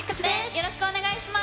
よろしくお願いします。